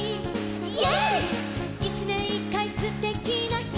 「イエーイ」「いちねんいっかいすてきなひ」